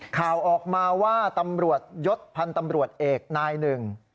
ข่าวออกมาว่าตำรวจยศพันธ์ตำรวจเอกนายหนึ่ง